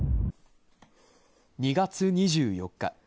２月２４日。